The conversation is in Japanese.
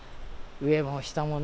上も下もね。